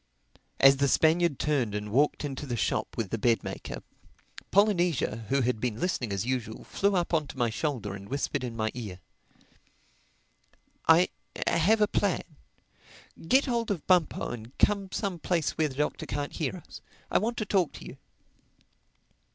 As the Spaniard turned and walked into the shop with the bed maker, Polynesia, who had been listening as usual, flew up on to my shoulder and whispered in my ear, "I have a plan. Get hold of Bumpo and come some place where the Doctor can't hear us. I want to talk to you."